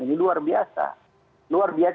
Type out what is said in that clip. ini luar biasa luar biasa